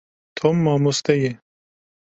Tom mamoste ye.